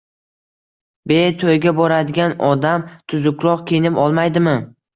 – Bee, to‘yga boradigan odam tuzukroq kiyinib olmaydimi!